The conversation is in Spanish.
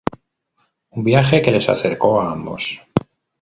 Un viaje que les acercó a ambos.